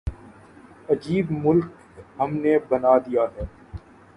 عجیب ملک ہم نے بنا دیا ہے۔